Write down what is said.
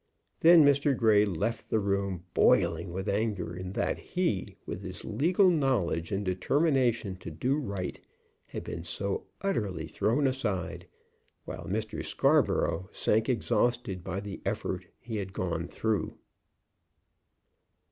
Then Mr. Grey left the room, boiling with anger in that he, with his legal knowledge and determination to do right, had been so utterly thrown aside; while Mr. Scarborough sank exhausted by the effort he had gone through.